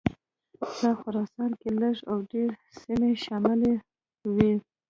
په خراسان کې لږې او ډېرې سیمې شاملي وې.